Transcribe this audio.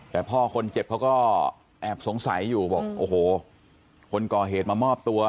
แต่พ่อคนเจ็บเขาก็แอบสงสัยอยู่บอกโอ้โหคนก่อเหตุมามอบตัว